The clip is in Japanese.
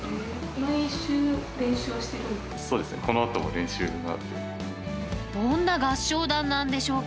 毎週、練習をしてるんですか？